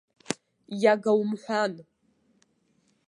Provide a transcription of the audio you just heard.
Иага умҳәан.